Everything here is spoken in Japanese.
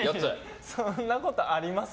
そんなことあります？